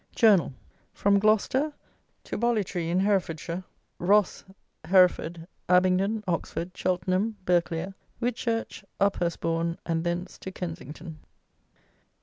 JOURNAL: FROM GLOUCESTER, TO BOLLITREE IN HEREFORDSHIRE, ROSS, HEREFORD, ABINGDON, OXFORD, CHELTENHAM, BERGHCLERE, WHITCHURCH, UPHURSTBOURN, AND THENCE TO KENSINGTON.